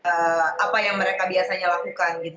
dan apa yang mereka biasanya lakukan gitu